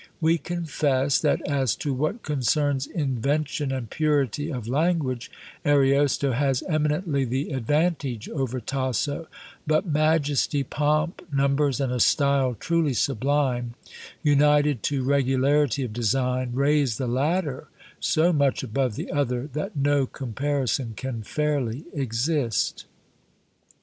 We confess, that, as to what concerns invention and purity of language, Ariosto has eminently the advantage over Tasso; but majesty, pomp, numbers, and a style truly sublime, united to regularity of design, raise the latter so much above the other that no comparison can fairly exist."